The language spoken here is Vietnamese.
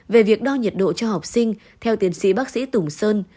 về việc đo nhiệt độ cho học sinh theo tiến sĩ bác sĩ tùng sơn